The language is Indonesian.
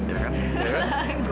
gombang banget sih kamu